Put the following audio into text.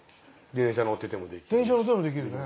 電車乗っててもできるね。